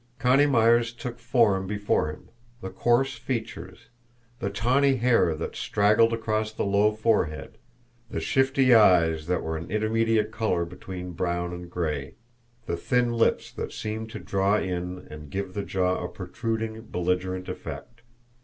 Connie Myers took form before him the coarse features, the tawny hair that straggled across the low forehead, the shifty eyes that were an indeterminate colour between brown and gray, the thin lips that seemed to draw in and give the jaw a protruding, belligerent effect.